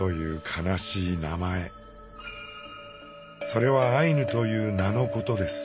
それは「アイヌ」という名のことです。